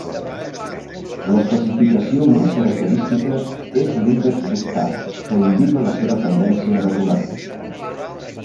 L'especificació més característica és l'índex d'octà, que indica la seva tendència a detonar.